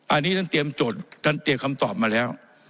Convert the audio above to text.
อันนี้ท่านเตรียมโจทย์ท่านเตรียมคำตอบมาแล้ว